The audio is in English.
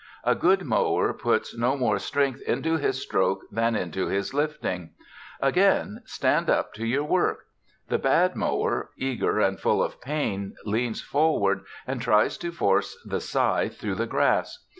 A good mower puts no more strength into his stroke than into his lifting. Again, stand up to your work. The bad mower, eager and full of pain, leans forward and tries to force the scythe through the grass.